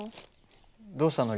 どうしたの？